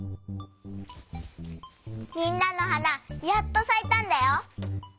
みんなのはなやっとさいたんだよ！